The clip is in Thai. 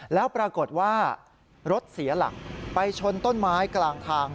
แล้วปรากฏว่ารถเสียหลักไปชนต้นไม้กลางทาง